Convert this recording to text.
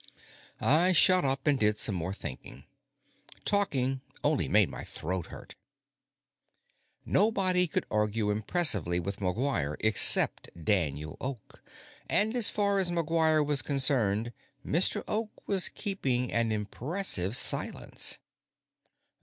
I shut up and did some more thinking. Talking only made my throat hurt. Nobody could argue impressively with McGuire except Daniel Oak, and as far as McGuire was concerned Mr. Oak was keeping an impressive silence.